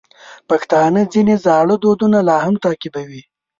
پښتانه ځینې زاړه دودونه لا هم تعقیبوي.